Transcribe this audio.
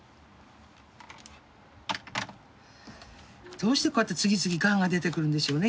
どうしてこうやって次々がんが出てくるんでしょうね